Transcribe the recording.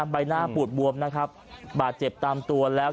ใบหน้าปูดบวมบาดเจ็บตามตัวแล้ว